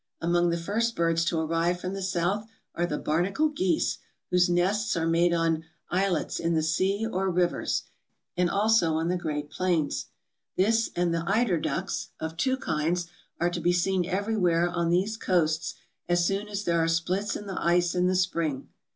Among the first birds to arrive from the south are the barnacle geese, whose nests are made on islets in the sea or rivers, and also on the great plains. This and the eider ducks (of two kinds) are to be seen everywhere on these coasts as soon as there are splits in the ice 490 TRAVELERS AND EXPLORERS in the spring.